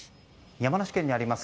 山梨県にあります